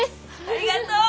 ありがとう。